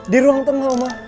di ruang tengah om